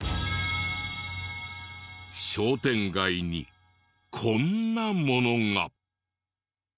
商店街にこんなものが。